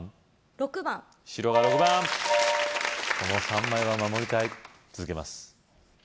６番白が６番この３枚は守りたい続けます